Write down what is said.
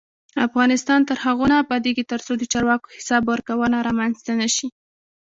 افغانستان تر هغو نه ابادیږي، ترڅو د چارواکو حساب ورکونه رامنځته نشي.